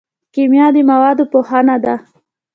کیمیا د موادو پوهنه ده